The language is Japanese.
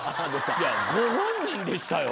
いやご本人でしたよ。